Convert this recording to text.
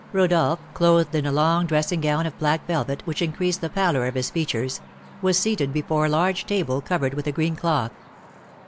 Rodolph, clothed in a long dressing gown of black velvet, which increased the pallor of his features, was seated before a large table covered with a green cloth.